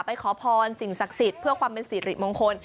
ขอพรสิ่งศักดิ์สิทธิ์เพื่อความเป็นสิริมงคล